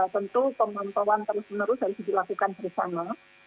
tentu pemantauan terus menerus harus dilakukan bersama